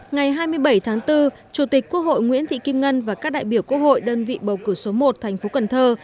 ngày hai mươi bảy tháng bốn chủ tịch quốc hội nguyễn thị kim ngân và các đại biểu quốc hội đơn vị bầu cử số một thành phố cần thơ